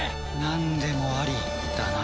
なんでもありだな。